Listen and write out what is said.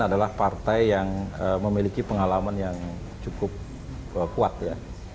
adalah partai yang memiliki pengalaman yang cukup kuat ya